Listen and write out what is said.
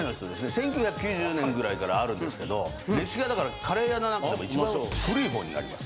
１９９０年ぐらいからあるんですけどカレー屋の中でも一番古い方になります。